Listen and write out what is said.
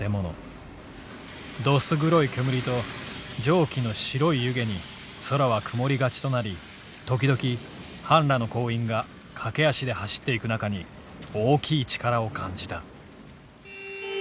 どす黒いけむりと蒸気の白い湯気に空は曇り勝ちとなり時々半裸の工員が駆足で走っていく中に大きい力を感じた」。